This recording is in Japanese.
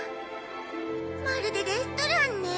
まるでレストランね。